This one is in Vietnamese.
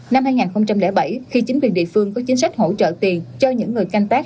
năm hai nghìn bảy khi chính quyền địa phương có chính sách hỗ trợ tiền cho những người canh tác